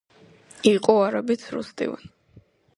იყო არაბეთს როსტევან